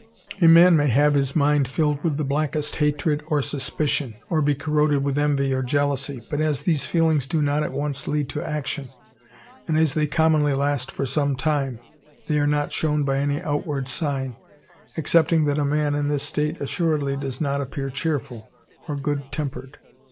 A man may have his mind filled with the blackest hatred or suspicion, or be corroded with envy or jealousy, but as these feelings do not at once lead to action, and as they commonly last for some time, they are not shown by any outward sign, excepting that a man in this state assuredly does not appear cheerful or good tempered.